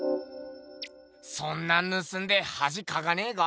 そんなんぬすんではじかかねぇか？